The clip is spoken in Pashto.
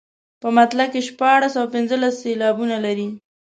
په مطلع کې شپاړس او پنځلس سېلابونه لري.